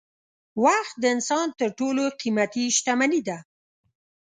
وخت د انسان تر ټولو قېمتي شتمني ده.